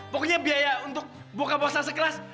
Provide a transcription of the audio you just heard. pokoknya biaya untuk buka puasa sekelas